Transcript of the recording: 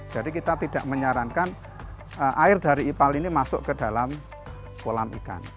jadi kita tidak menyarankan air dari ipal ini masuk ke dalam kolam ikan